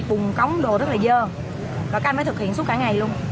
bùng cống đồ rất là dơ và căn mới thực hiện suốt cả ngày luôn